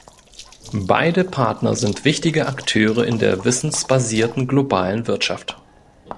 Beide Partner sind wichtige Akteure in der wissensbasierten globalen Wirtschaft.